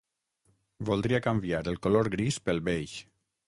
Voldria canviar el color gris pel beix.